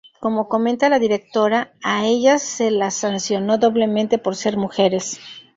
Cómo comenta la directora: “A ellas se las sancionó doblemente por ser mujeres.